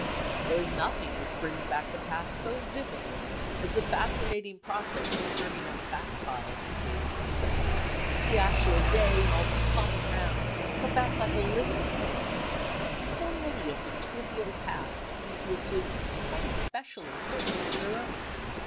There is nothing which brings back the past so vividly as the fascinating process of turning up back files of daily papers. The actual day and all the "common round" come back like a living thing; so many of the "trivial tasks" seem to assume quite a special importance of their own.